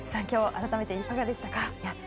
今日改めていかがでしたか？